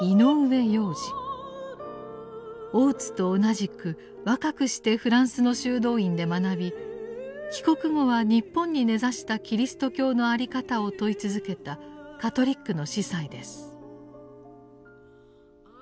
大津と同じく若くしてフランスの修道院で学び帰国後は日本に根ざしたキリスト教の在り方を問い続けたカトリックの司祭です。